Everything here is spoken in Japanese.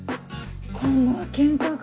今度はケンカか。